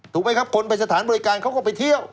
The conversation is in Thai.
ถูกไหมครับคนไปสถานบริการเขาก็ไปเที่ยว